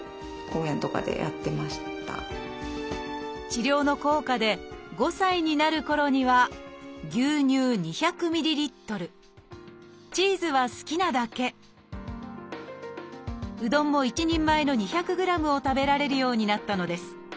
治療の効果で５歳になるころには牛乳２００ｍＬチーズは好きなだけうどんも一人前の２００ｇを食べられるようになったのです。